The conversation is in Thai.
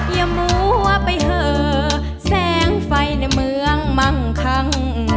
อย่ามัวไปเถอะแสงไฟในเมืองมั่งคัง